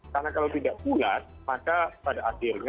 karena kalau tidak bulat maka pada akhirnya